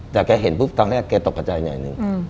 แต่แกเห็นปุ๊บตอนแรกแกตกกระใจหน่อยหนึ่ง